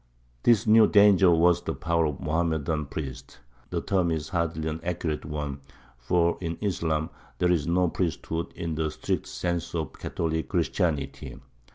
This new danger was the power of the Mohammedan priests. The term is hardly an accurate one, for in Islam there is no priesthood in the strict sense of Catholic Christianity.